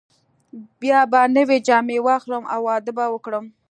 بیا به نوې جامې واخلم او واده به وکړم.